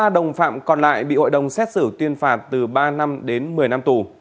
ba đồng phạm còn lại bị hội đồng xét xử tuyên phạt từ ba năm đến một mươi năm tù